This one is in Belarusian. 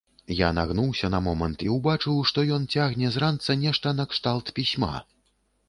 Я нагнуўся на момант і ўбачыў, што ён цягне з ранца нешта накшталт пісьма.